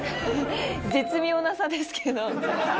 絶妙な差ですけど。